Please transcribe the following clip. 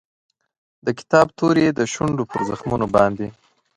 د کتاب توري یې د شونډو پر زخمونو باندې